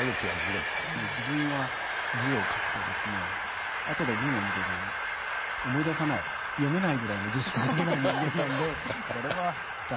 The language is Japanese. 自分は字を書くとですね後でメモ見ても思い出さない読めないぐらいの字しか書けない人間なんでこれはラッキーと。